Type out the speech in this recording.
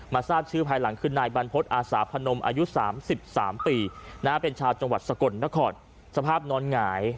ทราบชื่อภายหลังคือนายบรรพฤษอาสาพนมอายุ๓๓ปีเป็นชาวจังหวัดสกลนครสภาพนอนหงาย